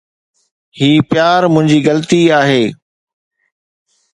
هي پيار منهنجي غلطي آهي